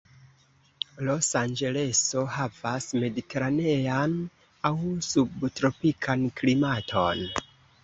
Los Anĝeleso havas mediteranean aŭ subtropikan klimaton.